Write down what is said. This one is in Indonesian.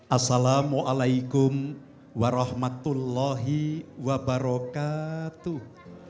assalamualaikum warahmatullahi wabarakatuh